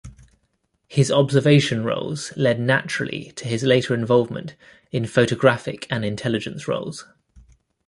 His observation roles led naturally to his later involvement in photographic and intelligence roles.